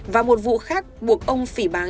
và một vụ khác buộc ông phỉ bán